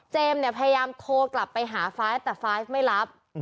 เจมส์เนี่ยพยายามโทรกลับไปหา๕แต่๕ไม่รับ